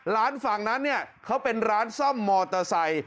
ร้านฝั่งนั้นเนี่ยเขาเป็นร้านซ่อมมอเตอร์ไซค์